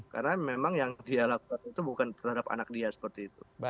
karena memang yang dia lakukan itu bukan terhadap anak dia seperti itu